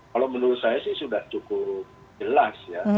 kalau menurut saya sih sudah cukup jelas ya